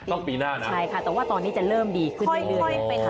แต่ว่าตอนนี้จะเริ่มดีขึ้นเรื่อย